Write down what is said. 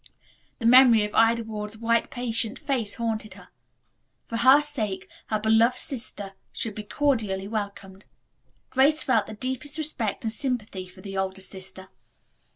The memory of Ida Ward's white patient face haunted her. For her sake her beloved sister should be cordially welcomed. Grace felt the deepest respect and sympathy for the older sister.